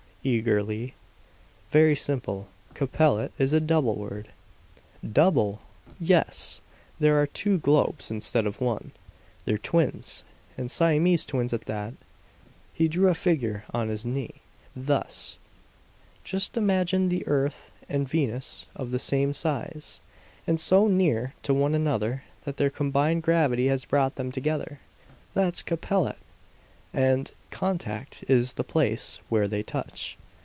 eagerly. "Very simple. Capellete is a double world!" "Double!" "Yes! There are two globes, instead of one. They're twins, and Siamese twins at that!" He drew a figure on his knee, thus: [Illustration: two circles touching each other] "Just imagine the earth and Venus of the same size, and so near to one another that their combined gravity has brought them together! That's Capellette! And the contact is the place where they touch!"